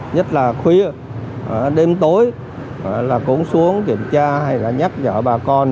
nhất là khuya đêm tối là cũng xuống kiểm tra hay là nhắc nhở bà con